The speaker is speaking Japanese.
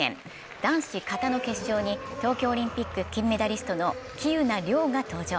男子・形の決勝に東京オリンピック金メダリストの喜友名諒が登場。